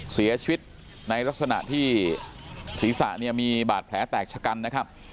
เสียชีวิตในลักษณะที่ศีรษะเนี่ยมีบาดแผลแตกชะกันนะครับ